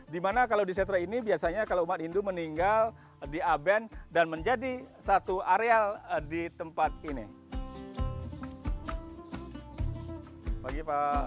di mana kalau di setra ini biasanya kalau umat hindu meninggal di aben dan menjadi satu areal di tempat ini